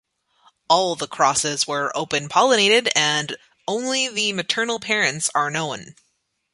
All the crosses were open pollinated and only the maternal parents are known.